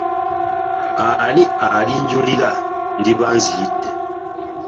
Ani alinjulira ndiba nziyidde!